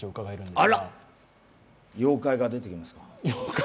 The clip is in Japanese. あら、妖怪が出てきますか。